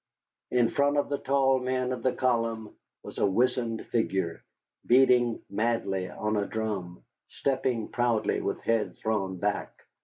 In front of the tall men of the column was a wizened figure, beating madly on a drum, stepping proudly with head thrown back.